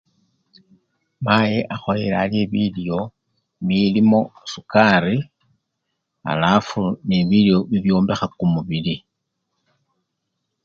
Mayi akhoyele alye bilyo bilimo sukari alafu ne bilyo bibyombekha kumubili.